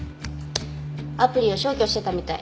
アプリを消去してたみたい。